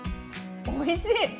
おいしい！